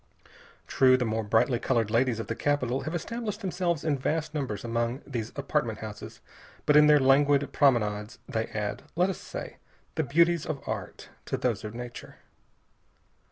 True, the more brightly colored ladies of the capital have established themselves in vast numbers among these apartment houses, but in their languid promenades they add let us say the beauties of art to those of nature.